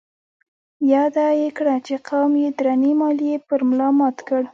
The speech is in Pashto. ياده يې کړه چې قوم يې درنې ماليې پر ملا مات کړ.